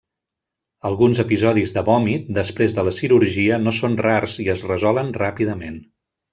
Alguns episodis de vòmit després de la cirurgia no són rars i es resolen ràpidament.